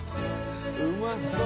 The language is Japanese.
うまそう！